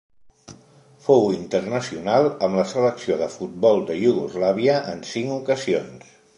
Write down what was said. Fou internacional amb la selecció de futbol de Iugoslàvia en cinc ocasions.